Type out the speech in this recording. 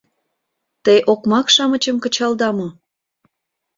— Те окмак-шамычым кычалыда мо?